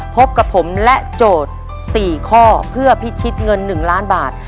พบกับผมและโจทย์๔ข้อเพื่อพิชิตเงิน๑ล้านบาท